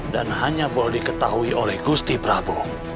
dan hanya boleh diketahui oleh gusti prabu